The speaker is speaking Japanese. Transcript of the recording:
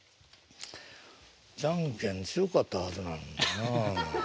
じゃんけん強かったはずなのになあ。